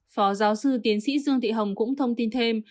phó giáo sư tiến sĩ dương thị hồng cũng thông tin thêm